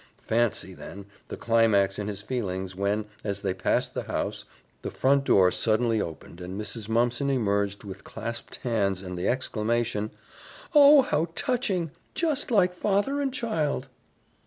Fancy, then, the climax in his feelings when, as they passed the house, the front door suddenly opened and Mrs. Mumpson emerged with clasped hands and the exclamation, "Oh, how touching! Just like father and child!"